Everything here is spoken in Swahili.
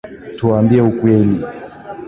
Tuambie ukweli